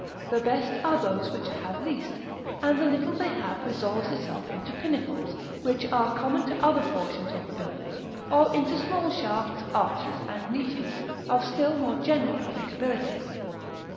The best are those which have least; and the little they have resolves itself into pinnacles, which are common to other portions of the building, or into small shafts, arches, and niches, of still more general applicability.